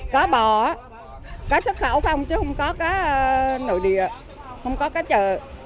có bò có xuất khẩu không chứ không có nội địa không có cái chợ